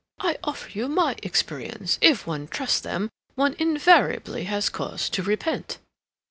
I offer you my experience—if one trusts them one invariably has cause to repent.